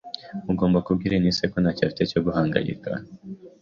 Ugomba kubwira Eunice ko ntacyo afite cyo guhangayika.